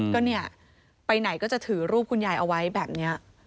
ก็เนี่ยไปไหนก็จะถือรูปคุณยายเอาไว้แบบนี้